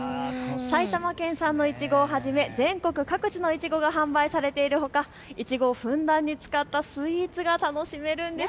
埼玉県産のいちごをはじめ全国各地のいちごが販売されているほか、いちごをふんだんに使ったスイーツが楽しめるんです。